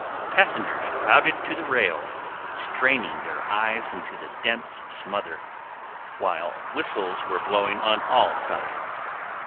Passengers crowded to the rails, straining their eyes into the dense smother, while whistles were blowing on all sides.